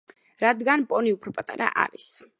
რადგან პონი უფრო პატარა არის.